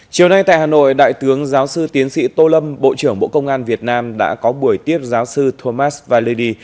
chiều nay tại hà nội đại tướng giáo sư tiến sĩ tô lâm bộ trưởng bộ công an việt nam đã có buổi tiếp giáo sư thomas valadi